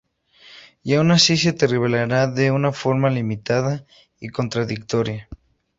Y aun así se te revelará de una forma limitada y contradictoria.